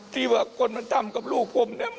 ที่ว่าคนมันทำกับลูกผมเนี่ย